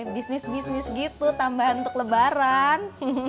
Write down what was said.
bisnis bisnis gitu tambahan untuk lebaran